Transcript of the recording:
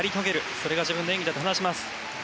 それが自分の演技だと話します。